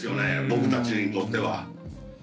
僕たちにとっては。